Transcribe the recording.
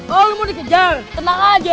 kalau lu mau dikejar tenang aja